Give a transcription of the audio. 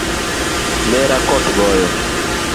Nera koth goyo